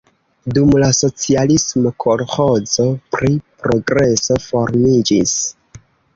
Dum la socialismo kolĥozo pri Progreso formiĝis.